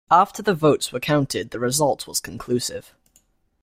After the votes were counted the result was conclusive.